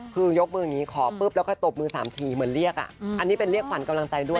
คือยกมืออย่างนี้ขอปุ๊บแล้วก็ตบมือ๓ทีเหมือนเรียกอ่ะอันนี้เป็นเรียกขวัญกำลังใจด้วย